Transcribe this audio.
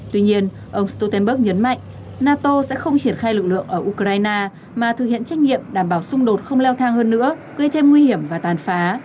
tuy nhiên ông stoltenberg nhấn mạnh nato sẽ không triển khai lực lượng ở ukraine mà thực hiện trách nhiệm đảm bảo xung đột không leo thang hơn nữa gây thêm nguy hiểm và tàn phá